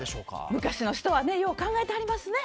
昔の人はよう考えてはりますね。